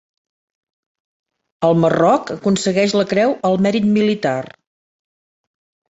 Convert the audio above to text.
Al Marroc aconsegueix la creu al mèrit militar.